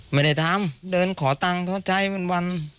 ไม่ได้ทำเดินขอตังค์เขาใช้เป็นวัน